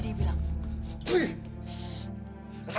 dia pikir dia siapa